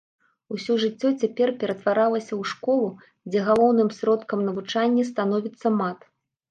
Усё жыццё цяпер ператварылася ў школу, дзе галоўным сродкам навучання становіцца мат.